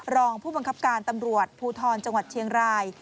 รองผู้บังคับการตำรวจภูทรจังหวัดเชียงราย